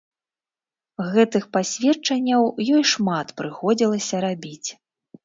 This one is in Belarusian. Гэтых пасведчанняў ёй шмат прыходзілася рабіць.